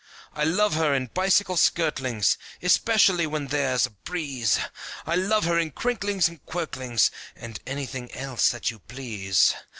I love her in bicycle skirtlings Especially when there's a breeze I love her in crinklings and quirklings And anything else that you please.